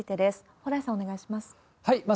蓬莱さん、お願いします。